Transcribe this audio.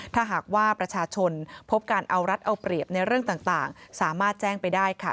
ถ้าหากว่าประชาชนพบการเอารัฐเอาเปรียบในเรื่องต่างสามารถแจ้งไปได้ค่ะ